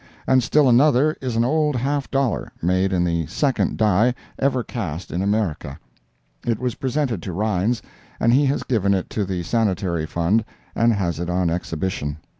And still another is an old half dollar, made in the second die ever cast in America. It was presented to Rines, and he has given it to the Sanitary Fund, and has it on exhibition.